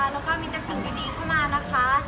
แล้วก็มีแต่สิ่งดีเข้ามานะคะ